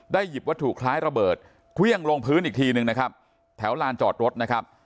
หยิบวัตถุคล้ายระเบิดเครื่องลงพื้นอีกทีหนึ่งนะครับแถวลานจอดรถนะครับ